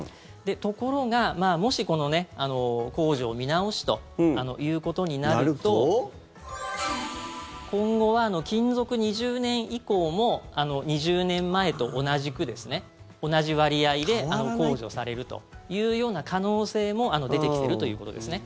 ところが、もしこの控除を見直しということになると今後は勤続２０年以降も２０年前と同じく同じ割合で控除されるというような可能性も出てきてるということですね。